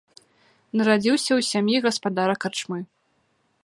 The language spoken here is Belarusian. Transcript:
Нарадзіўся ў сям'і гаспадара карчмы.